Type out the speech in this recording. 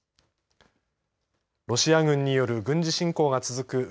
ロシア軍による軍事侵攻が続く